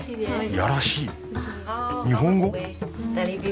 やらしい？日本語？